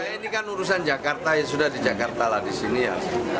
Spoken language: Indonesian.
ini kan urusan jakarta ya sudah di jakarta lah di sini ya